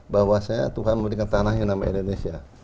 bahwasanya tuhan memberikan tanah yang namanya indonesia